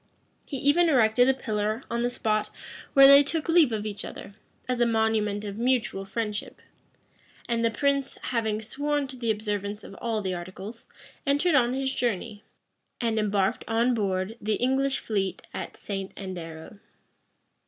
He even erected a pillar on the spot where they took leave of each other, as a monument of mutual friendship; and the prince, having sworn to the observance of all the articles, entered on his journey, and embarked on board the English fleet at St. Andero.